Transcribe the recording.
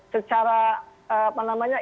secara apa namanya